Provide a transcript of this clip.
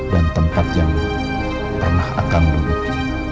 dan tempat yang pernah akang duduk